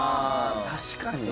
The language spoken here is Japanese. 確かに。